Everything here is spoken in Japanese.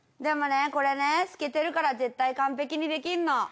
でもねこれね透けてるから絶対完璧にできんの。